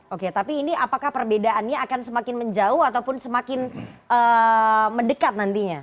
oke tapi ini apakah perbedaannya akan semakin menjauh ataupun semakin mendekat nantinya